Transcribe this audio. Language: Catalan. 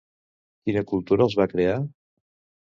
Quina cultura els va crear?